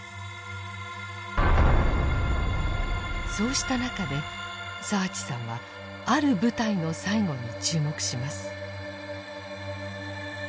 そうした中で澤地さんはある部隊の最期に注目します。